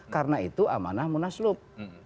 karena itu amanah munasluk